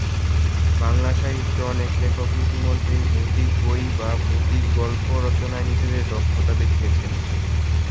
বাংলা সাহিত্যে অনেক লেখক ইতিমধ্যেই ভৌতিক বই বা ভৌতিক গল্প রচনায় নিজেদের দক্ষতা দেখিয়েছেন।